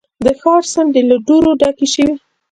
د ښار څنډې له دوړو ډکې شوې.